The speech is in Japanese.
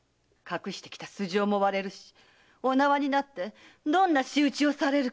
隠してきた素性も割れるしお縄になってどんな仕打ちを。